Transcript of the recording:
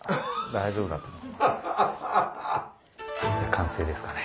完成ですかね。